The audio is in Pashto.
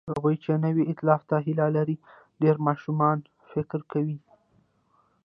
هغوی چې نوي ائتلاف ته هیله لري، ډېر ماشومانه فکر کوي.